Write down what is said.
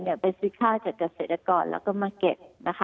จะไปซื้อค่าจากเกษตรกรแล้วก็มาเก็บ